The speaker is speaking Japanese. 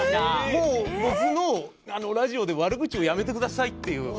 「もう僕のラジオで悪口をやめてください」っていう。